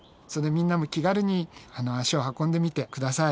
みんなも気軽に足を運んでみて下さい。